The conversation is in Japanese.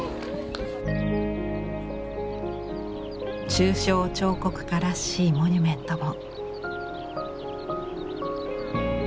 抽象彫刻家らしいモニュメントも。